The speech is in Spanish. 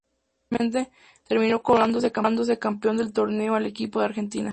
Finalmente, terminó coronándose campeón del torneo el equipo de Argentina.